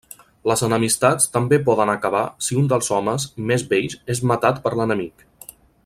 Les enemistats també poden acabar si un dels homes més vells és matat per l'enemic.